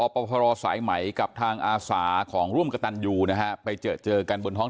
พรสายไหมกับทางอาสาของร่วมกระตันยูนะฮะไปเจอเจอกันบนท้อง